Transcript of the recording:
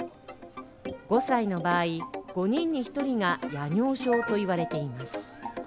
５歳の場合、５人に１人が夜尿症といわれています。